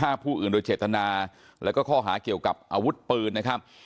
อายุ๑๐ปีนะฮะเขาบอกว่าเขาก็เห็นถูกยิงนะครับ